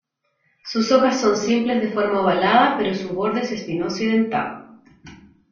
Sus hojas son simples de forma ovalada pero su borde es espinoso y dentado.